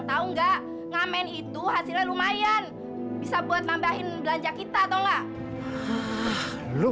tau nggak ngamen itu hasilnya lumayan bisa buat nambahin belanja kita toh zwischen